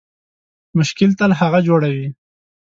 مشکل تل هغه جوړوي